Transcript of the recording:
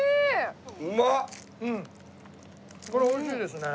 うんこれおいしいですね。